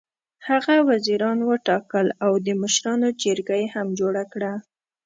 هغه وزیران وټاکل او د مشرانو جرګه یې هم جوړه کړه.